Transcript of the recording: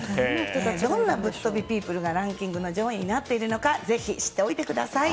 どんなぶっ飛びピープルがランキングの上位になっているのかぜひ知っておいてください。